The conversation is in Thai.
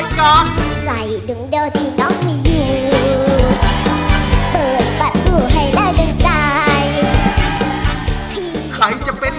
อย่าทิ้งเอาไหม